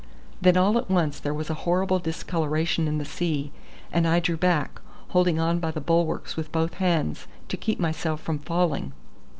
Then all at once there was a horrible discoloration in the sea, and I drew back, holding on by the bulwarks with both hands to keep myself from falling.